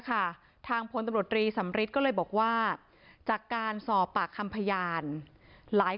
ค่ะทางพตรสำริทก็เลยบอกว่าจากการสอบปากคำพยานหลาย